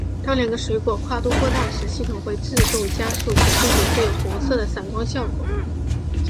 当两个水果跨度过大时系统会自动加速且背景会有红色的闪光效果。